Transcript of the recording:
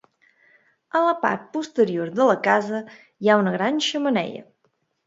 A la part posterior de la casa hi ha una gran xemeneia.